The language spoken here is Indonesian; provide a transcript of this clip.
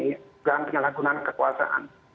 dengan penyalahgunan kekuasaan